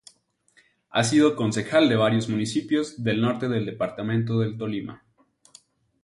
Ha sido concejal de varios municipios del norte del departamento del Tolima.